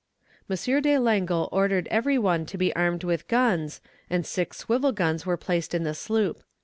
"M. de Langle ordered every one to be armed with guns, and six swivel guns were placed in the sloop.